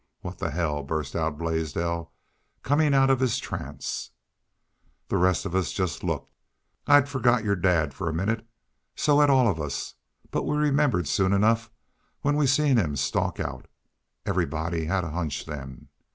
"'What the hell!' burst out Blaisdell, comin' out of his trance. "The rest of us jest looked. I'd forgot your dad, for the minnit. So had all of us. But we remembered soon enough when we seen him stalk out. Everybody had a hunch then.